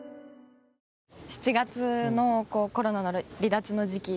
７月のコロナ離脱の時期。